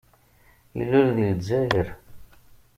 Ilul deg Lezzayer.